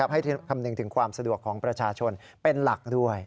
ให้คำนึงถึงความสะดวกของประชาชนเป็นหลักด้วย